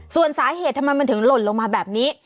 ส่วนสาเหตุทำไมมันถึงหล่นลงมาแบบนี้